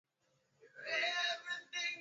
Muntu anapasha kulala saha nane busiku kwa kawaida